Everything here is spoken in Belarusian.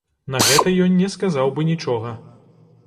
На гэта ён не сказаў бы нічога.